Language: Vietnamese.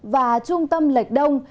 và trung tâm lệch đông